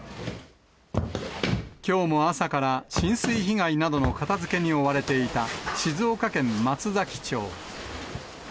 きょうも朝から浸水被害などの片づけに追われていた、静岡県松崎町。